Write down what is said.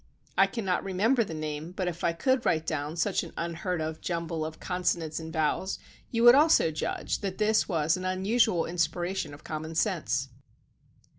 I cannot remember the name, but if I could write down such an unheard of jumble of consonants and vowels, you would also judge that this was an unusual inspi ration of common sense.